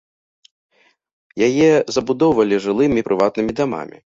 Яе забудоўвалі жылымі прыватнымі дамамі.